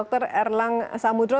baik pak dr erlang samudro